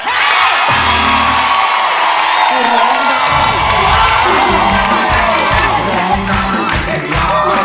รักกัน